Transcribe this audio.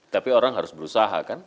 tapi orang harus berusaha kan